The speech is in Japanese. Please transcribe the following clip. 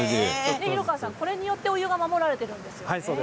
これによってお湯が守られているんですね。